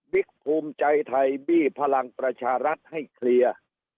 ภูมิใจไทยบี้พลังประชารัฐให้เคลียร์